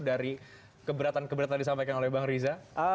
dari keberatan keberatan disampaikan oleh bang riza